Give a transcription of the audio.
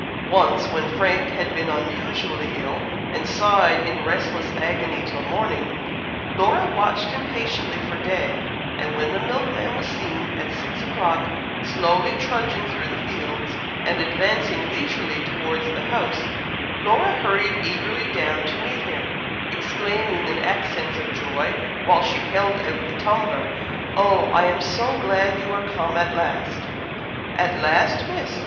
Once, when Frank had been unusually ill, and sighed in restless agony till morning, Laura watched impatiently for day, and when the milkman was seen, at six o'clock, slowly trudging through the fields, and advancing leisurely towards the house, Laura hurried eagerly down to meet him, exclaiming in accents of joy, while she held out the tumbler, "Oh! I am so glad you are come at last!" "At last, Miss!!